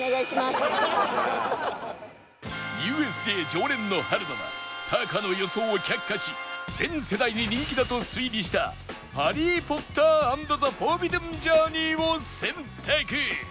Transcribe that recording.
ＵＳＪ 常連の春菜はタカの予想を却下し全世代に人気だと推理したハリー・ポッター・アンド・ザ・フォービドゥン・ジャーニーを選択